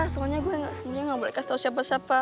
soalnya gue ga boleh kasih tau siapa siapa